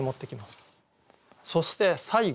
そして最後。